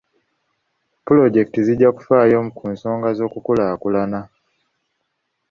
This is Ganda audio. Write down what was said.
Pulojekiti zijja kufaayo ku nsonga z'okukulaakulana.